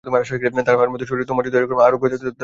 তাহার মধ্যে তোমার শরীর যদি একদম আরোগ্য হইয়া থাকে তো বড়ই ভাল।